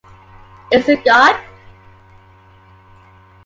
Is it God?